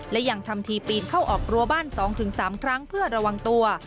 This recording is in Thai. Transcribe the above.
และยังทำทีปีนเข้าออกรั้วบ้าน๒๓ครั้งเพื่อระวังตัว